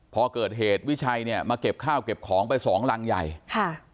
พอเกิดเหตุวิชัยเนี่ยมาเก็บข้าวเก็บของไปสองรังใหญ่ค่ะ